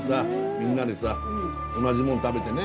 みんなでさ同じもん食べてね。